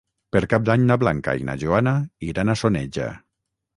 Per Cap d'Any na Blanca i na Joana iran a Soneja.